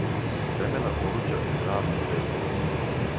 Кремена оруђа из разних векова